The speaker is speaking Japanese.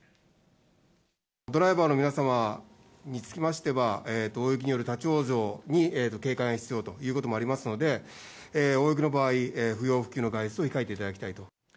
ドライバーの皆様につきましては、大雪による立往生に警戒が必要ということもありますので、大雪の場合、不要不急の外出を控えていただきたいと。